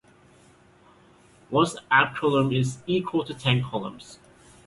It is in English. One abcoulomb is equal to ten coulombs.